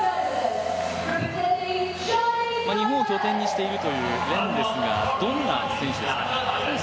日本を拠点にしているという連ですが、どんな選手ですか？